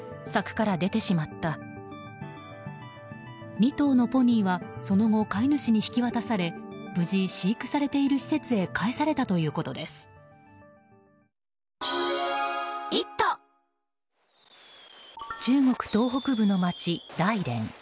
２頭のポニーはその後、飼い主に引き渡され無事、飼育されている施設へ中国東北部の街、大連。